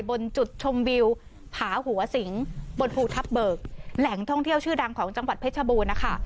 บนจุดชมวิวผาหัวสิงบนภูทับเบิกแหล่งท่องเที่ยวชื่อดังของจังหวัดเพชรบูรณ์นะคะ